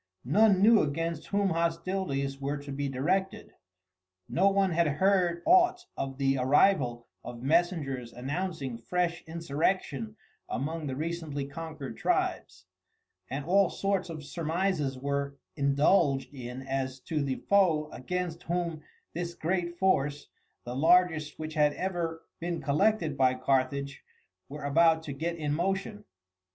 None knew against whom hostilities were to be directed. No one had heard aught of the arrival of messengers announcing fresh insurrection among the recently conquered tribes, and all sorts of surmises were indulged in as to the foe against whom this great force, the largest which had ever been collected by Carthage, were about to get in motion.